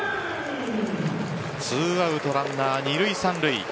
ツーアウトランナー、２塁３塁。